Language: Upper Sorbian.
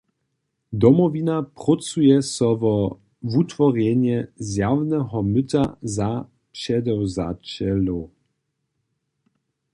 Domowina prócuje so wo wutworjenje zjawneho myta za předewzaćelow.